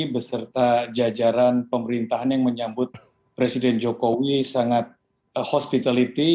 beserta jajaran pemerintahan yang menyambut presiden jokowi sangat hospitality